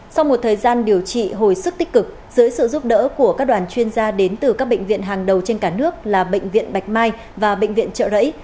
sau một thời gian điều trị hồi sức tích cực dưới sự giúp đỡ của các đoàn chuyên gia đến từ các bệnh viện hàng đầu trên cả nước là bệnh viện bạch mai và bệnh viện trợ rẫy